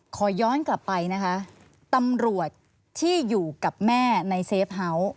ขอย้อนกลับไปนะคะตำรวจที่อยู่กับแม่ในเซฟเฮาส์